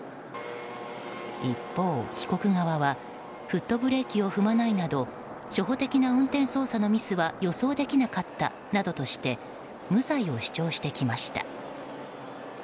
一方、被告側はフットブレーキを踏まないなど初歩的な運転操作のミスは予想できなかったなどとして無罪を主張してきました。